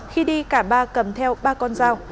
khi đi cả ba cầm theo ba con dao